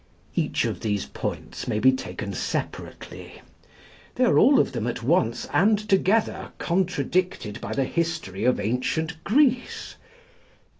Each of these points may be taken separately. They are all of them at once and together contradicted by the history of ancient Greece.